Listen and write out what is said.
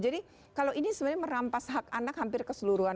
jadi kalau ini sebenarnya merampas hak anak hampir keseluruhan